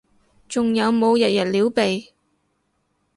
仲有冇日日撩鼻？